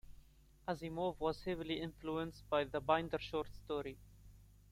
Asimov was heavily influenced by the Binder short story.